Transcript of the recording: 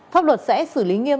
pháp luật sẽ xử lý nghiêm